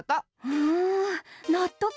うんなっとく！